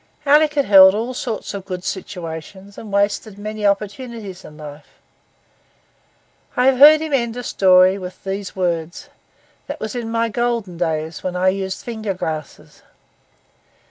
Alick had held all sorts of good situations, and wasted many opportunities in life. I have heard him end a story with these words: 'That was in my golden days, when I used finger glasses.